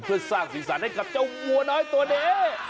เพื่อสร้างสีสันให้กับเจ้าวัวน้อยตัวนี้